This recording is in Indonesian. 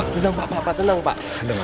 tenang pak tenang pak